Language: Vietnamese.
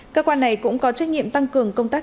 cơ quan này cũng có trách nhiệm tăng cường công tác